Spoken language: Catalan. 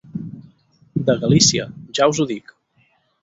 De Galícia, ja us ho dic.